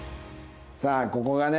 さあここがね。